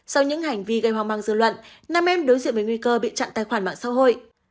sau những hành vi gây hoang mang dư luận nam em đối diện với nguy cơ bị chặn tài khoản mạng xã hội